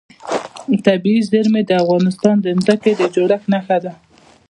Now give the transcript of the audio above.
طبیعي زیرمې د افغانستان د ځمکې د جوړښت نښه ده.